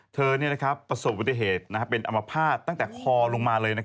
ประสบปฏิเหตุเป็นอมภาษณ์ตั้งแต่คอลงมาเลย